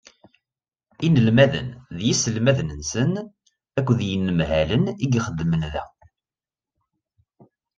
Inelmaden d yiselmaden-nsen akked yinemhalen i ixeddmen da.